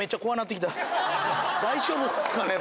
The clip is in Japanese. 大丈夫っすかね？